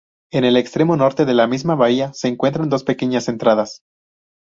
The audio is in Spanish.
En el extremo norte de la misma bahía se encuentran dos pequeñas entradas.